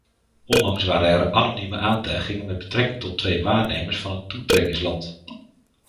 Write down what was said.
Onlangs waren er anonieme aantijgingen met betrekking tot twee waarnemers van een toetredingsland.